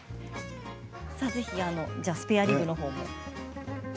ぜひスペアリブのほうも。